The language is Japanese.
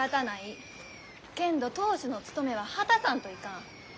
けんど当主の務めは果たさんといかん。